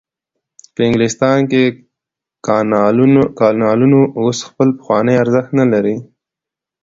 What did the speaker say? په انګلستان کې کانالونو اوس خپل پخوانی ارزښت نلري.